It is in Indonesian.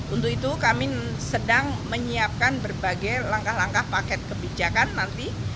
untuk itu kami sedang menyiapkan berbagai langkah langkah paket kebijakan nanti